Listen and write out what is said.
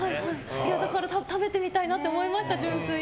だから純粋に食べてみたいなと思いました。